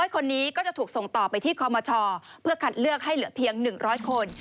คนนี้ก็จะถูกส่งต่อไปที่คอมชเพื่อคัดเลือกให้เหลือเพียง๑๐๐คน